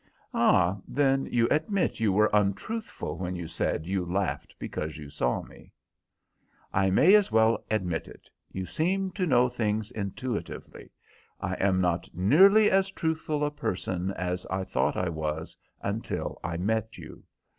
"Ah, then you admit you were untruthful when you said you laughed because you saw me?" "I may as well admit it. You seem to know things intuitively. I am not nearly as truthful a person as I thought I was until I met you.